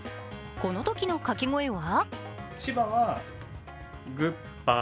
このときの掛け声は？